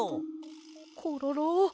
コロロ？